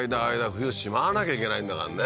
冬しまわなきゃいけないんだからね